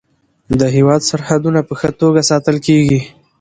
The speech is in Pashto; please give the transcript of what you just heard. د هیواد سرحدونه په ښه توګه ساتل کیږي.